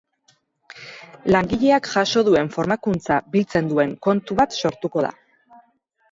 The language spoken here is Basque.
Langileak jaso duen formakuntza biltzen duen kontu bat sortuko da.